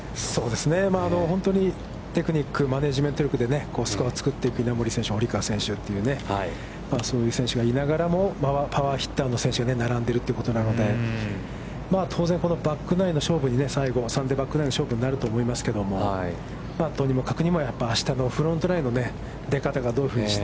本当にテクニック、マネジメント力でスコアを作っていくには、河本選手、稲森選手というそういう選手がいながらもパワーヒッターの選手が並んでいるということなので、当然このバックナインの勝負に、最後、サンデーバックナインの勝負になると思いますけど、とにもかくにも、やっぱり、あしたのフロントラインの出方がどういうふうに。